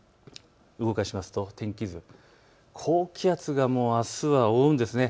動かしますと高気圧があすは覆うんですね。